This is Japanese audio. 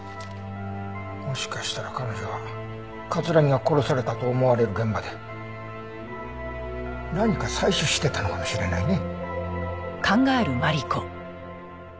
もしかしたら彼女は木が殺されたと思われる現場で何か採取してたのかもしれないね。